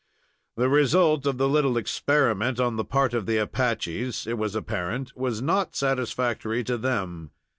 The result of the little experiment upon the part of the Apaches, it was apparent, was not satisfactory to them.